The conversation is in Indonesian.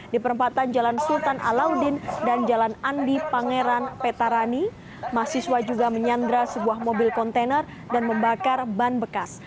di perempatan jalan sultan alauddin dan jalan andi pangeran petarani mahasiswa juga menyandra sebuah mobil kontainer dan membakar ban bekas